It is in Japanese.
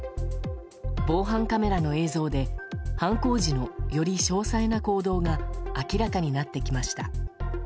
防犯カメラの映像で、犯行時のより詳細な行動が明らかになってきました。